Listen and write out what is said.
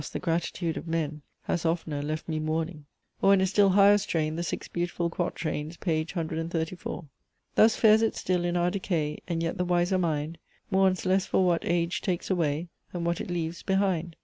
the gratitude of men Has oftener left me mourning;" or in a still higher strain the six beautiful quatrains, page 134. "Thus fares it still in our decay: And yet the wiser mind Mourns less for what age takes away Than what it leaves behind.